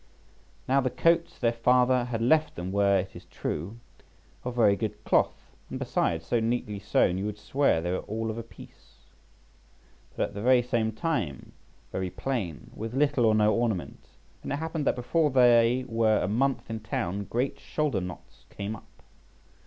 Now the coats their father had left them were, it is true, of very good cloth, and besides, so neatly sewn you would swear they were all of a piece, but, at the same time, very plain, with little or no ornament; and it happened that before they were a month in town great shoulder knots came up.